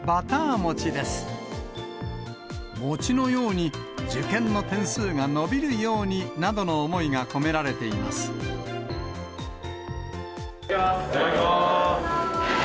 餅のように受験の点数が伸びるようになどの思いが込められていまいただきます。